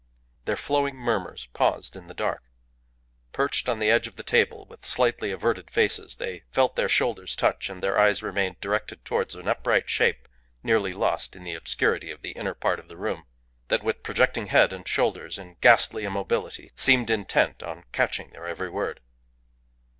Their flowing murmurs paused in the dark. Perched on the edge of the table with slightly averted faces, they felt their shoulders touch, and their eyes remained directed towards an upright shape nearly lost in the obscurity of the inner part of the room, that with projecting head and shoulders, in ghastly immobility, seemed intent on catching every word.